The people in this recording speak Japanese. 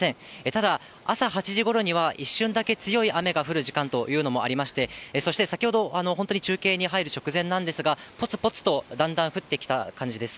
ただ朝８時ごろには、一瞬だけ強い雨が降る時間帯というのがありまして、そして先ほど、本当に中継に入る直前なんですが、ぽつぽつとだんだん降ってきた感じです。